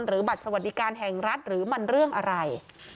บัตรสวัสดิการแห่งรัฐหรือมันเรื่องอะไร